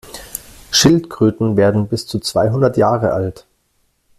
Schildkröten werden bis zu zweihundert Jahre alt.